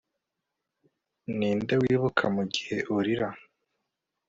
Ninde wibuka mugihe urira